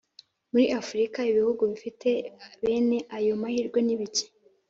muri afurika, ibihugu bifite bene ayo mahirwe ni bike.